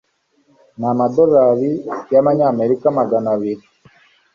n amadorari y amanyamerika magana abiri